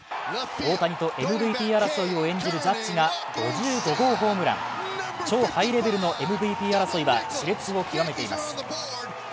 大谷とＭＶＰ争いを争うジャッジは超ハイレベルのＭＶＰ争いはしれつを極めています。